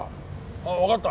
ああわかった。